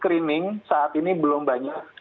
screening saat ini belum banyak